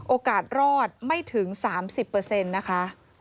โอกาสรอดไม่ถึง๓๐นะคะ